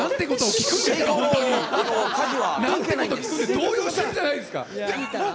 動揺してるじゃないですか！